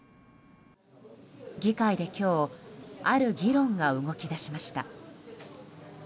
議会で今日ある議論が動き出しました。